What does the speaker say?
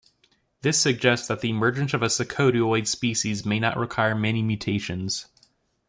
This suggests that the emergence of a secotioid species may not require many mutations.